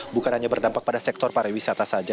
bukan hanya berdampak pada sektor para wisata saja